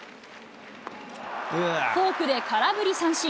フォークで空振り三振。